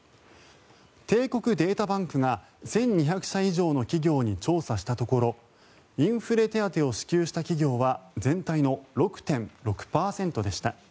帝国データバンクが１２００社以上の企業に調査したところインフレ手当を支給した企業は全体の６．６％でした。